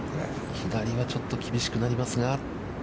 左はちょっと厳しくなりますが。